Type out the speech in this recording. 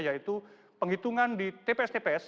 yaitu penghitungan di tps tps